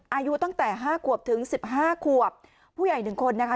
อายุตั้งแต่ห้าขวบถึงสิบห้าขวบผู้ใหญ่หนึ่งคนนะคะ